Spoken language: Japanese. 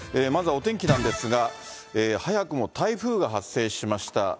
まずはお天気なんですが、早くも台風が発生しました。